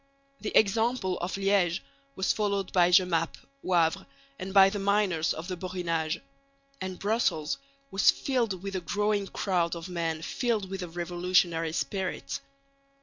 The example of Liège was followed by Jemappes, Wavre, and by the miners of the Borinage; and Brussels was filled with a growing crowd of men filled with a revolutionary spirit.